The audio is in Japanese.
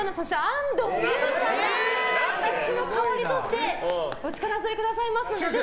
安藤優子さんが私の代わりとしてお力添えくださいますので。